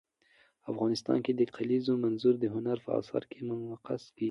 افغانستان کې د کلیزو منظره د هنر په اثار کې منعکس کېږي.